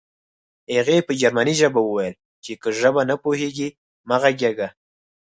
هغې په جرمني ژبه وویل چې که ژبه نه پوهېږې مه غږېږه